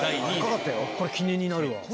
これ記念になるわ。